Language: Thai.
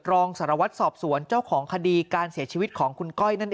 รองสารวัตรสอบสวนเจ้าของคดีการเสียชีวิตของคุณก้อยนั่นเอง